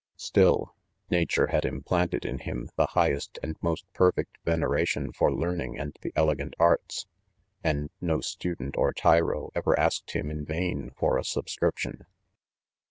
Still, nature bad im planted in him, the highest and most perfect veneration for learning and the elegant arts j and no student or tyro, ever asked him in vain for a subscription.